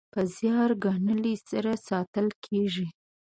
په زیار ګالنې سره ساتل کیږي.